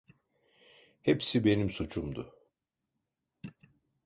Hepsi benim suçumdu.